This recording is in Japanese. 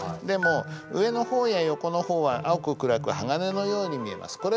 でも「上の方や横の方は青くくらく鋼のように見えます」